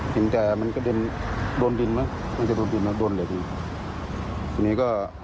ถึงแต่มันกระเด็นโดนดินมามันกระเด็นโดนดินมาโดนเหล็กนี่ทีนี้ก็